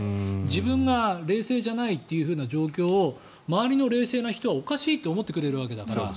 自分が冷静じゃないという状況を周りの冷静な人はおかしいと思ってくれるわけだから。